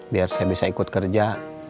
biar saya bisa ikut kerja